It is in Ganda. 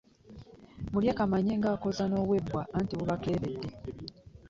Mulye kamanye ng'akoza n'ow'ebbwa anti bubakeeredde.